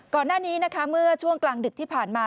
ก่อนหน้านี้นะคะเมื่อช่วงกลางดึกที่ผ่านมา